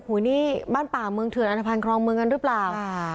เมื่อนบ้างก็ยืนยันว่ามันเป็นแบบนั้นจริง